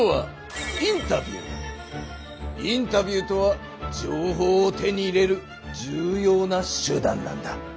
インタビューとは情報を手に入れる重ような手だんなんだ。